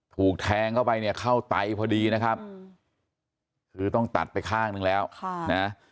ถูกแทงเข้าไปเนี่ยเข้าไตพอดีนะครับคือต้องตัดไปข้างหนึ่งแล้วนะ